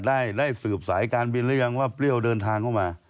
ได้สืบสายการบินหรือยังว่าเปรี้ยวเดินทางเข้ามา